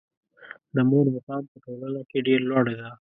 د مور مقام په ټولنه کې ډېر لوړ ده.